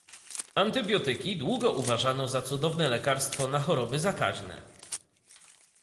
Antybiotyki długo uważano za cudowne lekarstwo na choroby zakaźne